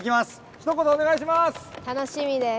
ひと言お願いします。